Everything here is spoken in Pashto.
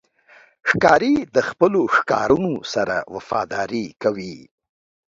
ښکاري د خپلو ښکارونو سره وفاداري کوي.